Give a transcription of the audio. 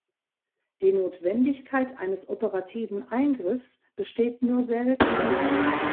Die Notwendigkeit eines operativen Eingriffs besteht nur selten.